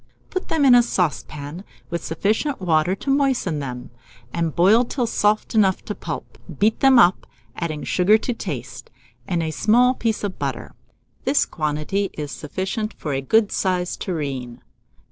Put them in a saucepan, with sufficient water to moisten them, and boil till soft enough to pulp. Beat them up, adding sugar to taste, and a small piece of butter This quantity is sufficient for a good sized tureen.